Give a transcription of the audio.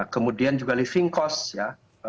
kemudian juga living cost ya